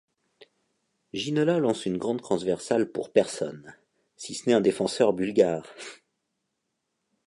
Ginola lance une grande transversale pour personne, si ce n'est un défenseur bulgare.